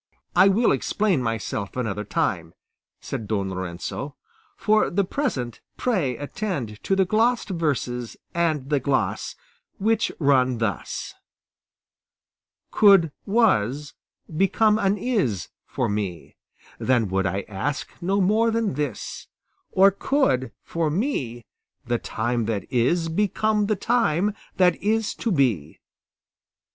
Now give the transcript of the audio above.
"I will explain myself another time," said Don Lorenzo; "for the present pray attend to the glossed verses and the gloss, which run thus: Could 'was' become an 'is' for me, Then would I ask no more than this; Or could, for me, the time that is Become the time that is to be!